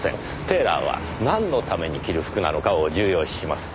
テーラーはなんのために着る服なのかを重要視します。